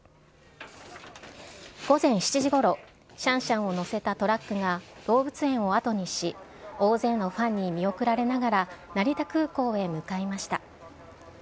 午前７時ごろ、シャンシャンを乗せたトラックが、動物園を後にし、大勢のファンに見送られながら成田空港へ向かいました。